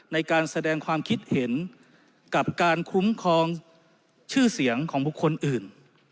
ในการแสดงความคิดเห็นกับการคุ้มครองชื่อเสียงของบุคคลอื่น